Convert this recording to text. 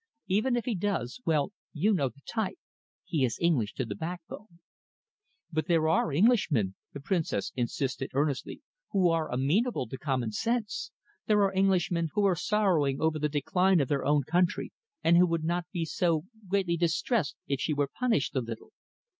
Even if he does, well, you know the type. He is English to the backbone." "But there are Englishmen," the Princess insisted earnestly, "who are amenable to common sense. There are Englishmen who are sorrowing over the decline of their own country and who would not be so greatly distressed if she were punished a little."